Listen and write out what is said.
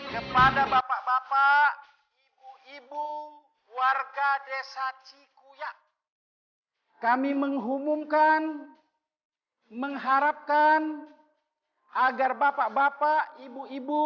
kepada bapak bapak ibu ibu warga desa cikuyak kami mengumumkan mengharapkan agar bapak bapak ibu ibu